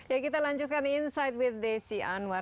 ya kita lanjutkan insight with desi anwar